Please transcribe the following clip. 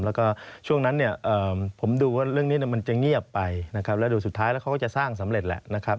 แล้วก็ช่วงนั้นเนี่ยผมดูว่าเรื่องนี้จะเงียบไปแล้วก็มาดูสุดท้ายแล้วก็สร้างสำเร็จแล้วนะครับ